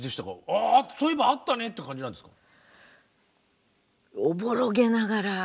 ああそういえばあったねって感じなんですか？